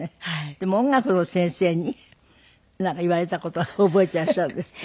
でも音楽の先生になんか言われた事覚えていらっしゃるんですって？